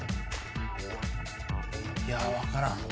いや分からん。